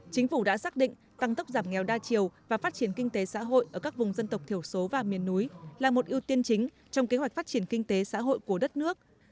chính phủ đã xác định tăng tốc giảm nghèo đa chiều và phát triển kinh tế xã hội ở các vùng dân tộc thiểu số và miền núi là một ưu tiên chính trong kế hoạch phát triển kinh tế xã hội của đất nước